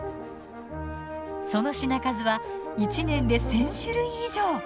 その品数は１年で１，０００種類以上。